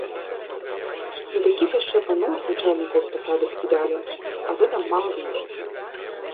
Не такіх яшчэ паноў начальнікаў з пасады скідалі, а вы нам мала значыце!